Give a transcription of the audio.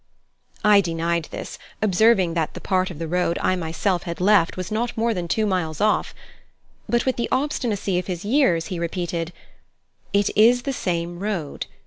I denied this, observing that the part of the road I myself had left was not more than two miles off. But with the obstinacy of his years he repeated: "It is the same road.